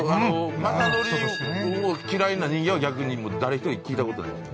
雅紀君を嫌いな人間は逆に誰一人聞いたことないですね。